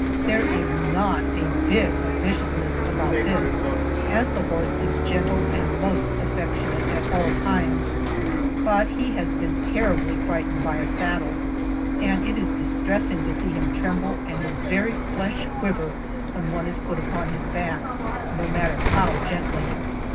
There is not a bit of viciousness about this, as the horse is gentle and most affectionate at all times, but he has been terribly frightened by a saddle, and it is distressing to see him tremble and his very flesh quiver when one is put upon his back, no matter how gently.